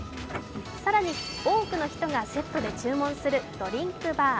更に、多くの人がセットで注文するドリンクバー。